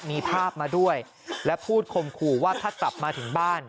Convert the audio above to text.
มีภาพมาด้วยและพูดคมขู่ว่าถ้ากลับมาถึงบ้าน